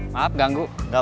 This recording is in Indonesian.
masih minggu ya